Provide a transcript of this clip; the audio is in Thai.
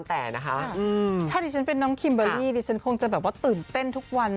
แต่นะคะถ้าดิฉันเป็นน้องคิมเบอร์รี่ดิฉันคงจะแบบว่าตื่นเต้นทุกวัน